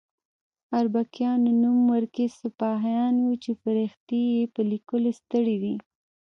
اربکیان نوم ورکي سپاهیان وو چې فرښتې یې په لیکلو ستړې وي.